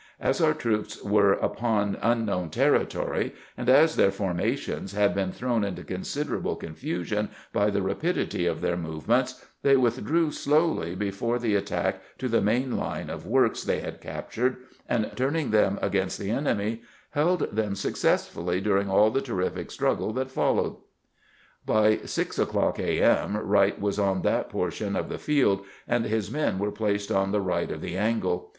As our troops were upon un known territory, and as their formations hadbeen thrown into considerable confusion by the rapidity of their movements, they withdrew slowly before the attack to the main line of works they had captured, and turning them against the enemy, held them successfully during aU the terrific struggle that followed. By six o'clock a, m. Wright was on that portion of the field, and his men were placed on the right of the " angle."